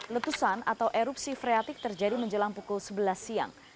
letusan atau erupsi freatik terjadi menjelang pukul sebelas siang